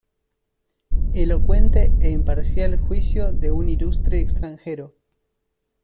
Elocuente e imparcial juicio de un ilustre extranjero.